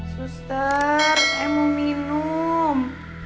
suster saya mau minum